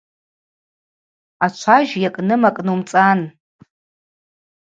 Ачважь йакӏным акӏнумцӏан.